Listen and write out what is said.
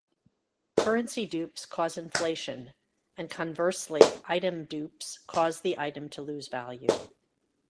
Currency dupes cause inflation and conversely item dupes cause the item to lose value.